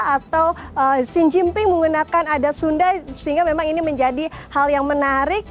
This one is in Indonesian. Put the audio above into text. atau xi jinping menggunakan adat sunda sehingga memang ini menjadi hal yang menarik